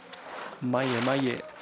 前へ前へ。